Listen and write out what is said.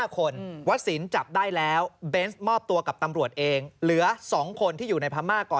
๕คนวัดสินจับได้แล้วเบนส์มอบตัวกับตำรวจเองเหลือ๒คนที่อยู่ในพม่าก่อน